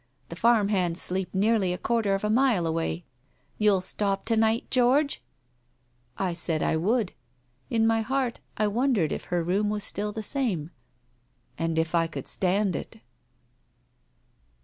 The farm hands sleep nearly a quarter of a mile away. You'll stop to night, George ?" I said I would. In my heart I wondered if her room was still the same, and if I could stand it